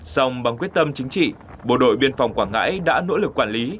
xong bằng quyết tâm chính trị bộ đội biên phòng quảng ngãi đã nỗ lực quản lý